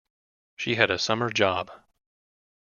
She had a summer job.